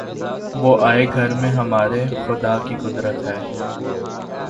وہ آئے گھر میں ہمارے‘ خدا کی قدرت ہے!